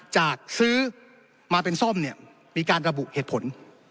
จากซื้อมาเป็นซ่อมเนี่ยมีการระบุเหตุผล